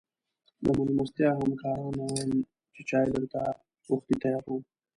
د مېلمستون همکارانو ویل چې چای درته وختي تیاروو.